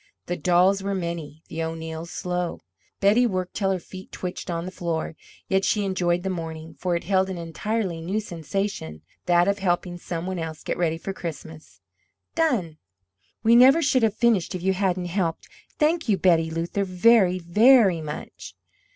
The dolls were many, the O'Neills slow. Betty worked till her feet twitched on the floor; yet she enjoyed the morning, for it held an entirely new sensation, that of helping some one else get ready for Christmas. "Done!" "We never should have finished if you hadn't helped! Thank you, Betty Luther, very, VERY much!